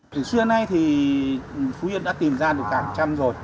từ xưa nay thì phú yên đã tìm ra được cả châm rồi